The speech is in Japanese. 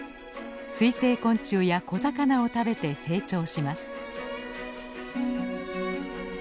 水生昆虫や小魚を食べて成長します。